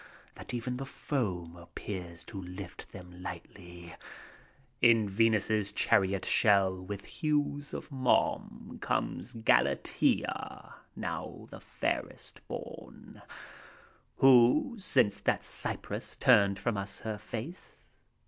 That even the foam appears to lift them lightly. In Venus' chariot shell, with hues of mom. Comes Galatea, now the fairest, borne; Who, since that Cypris turned from us her face.